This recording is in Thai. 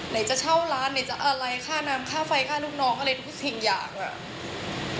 ไหนจะเช่าร้านไหนจะอะไรค่าน้ำค่าไฟค่าลูกน้องอะไรทุกสิ่งอยากอะ